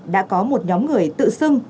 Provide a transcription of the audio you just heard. đã có một nhóm người tự xưng